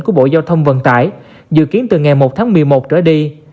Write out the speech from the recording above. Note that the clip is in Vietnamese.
của bộ giao thông vận tải dự kiến từ ngày một tháng một mươi một trở đi